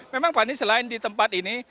memang pak nis selain di tempat ini